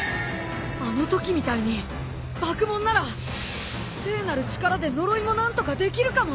あのときみたいにバクモンなら聖なる力で呪いも何とかできるかも！